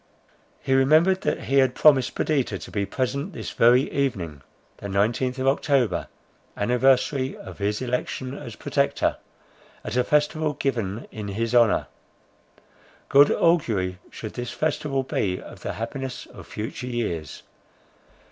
He remembered that he had promised Perdita to be present this very evening (the 19th of October, anniversary of his election as Protector) at a festival given in his honour. Good augury should this festival be of the happiness of future years.